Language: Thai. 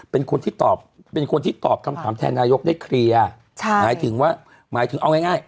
เป็นคนที่ตอบเป็นคนที่ตอบคำถามแทนนายกได้เคลียร์ใช่หมายถึงว่าหมายถึงเอาง่าย